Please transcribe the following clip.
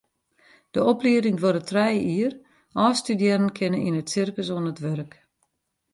De oplieding duorret trije jier, ôfstudearren kinne yn it sirkus oan it wurk.